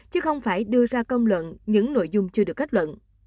chứ không phải đưa ra công luận những nội dung chưa được kết luận